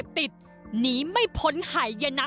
อัศวินธรรมชาติ